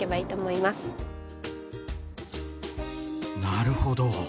なるほど！